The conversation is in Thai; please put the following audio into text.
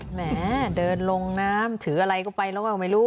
แหมเดินลงน้ำถืออะไรก็ไปแล้วก็ไม่รู้